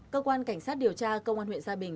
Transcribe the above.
cơ quan cảnh sát điều tra công an huyện gia bình